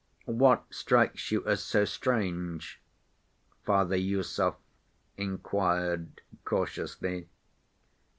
"What strikes you as so strange?" Father Iosif inquired cautiously.